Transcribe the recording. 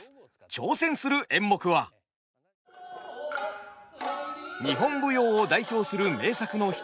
挑戦する演目は日本舞踊を代表する名作の一つ「藤娘」。